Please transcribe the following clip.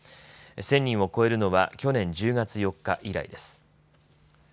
１０００人を超えるのは去年１０月４日以来です。